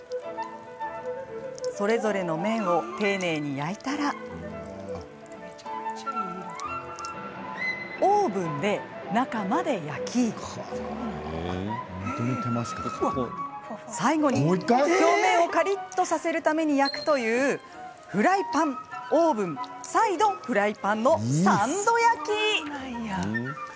それぞれの面を丁寧に焼いたらオーブンで中まで焼き最後に表面をカリっとさせるために焼くというフライパン、オーブン再度フライパンの３度焼き。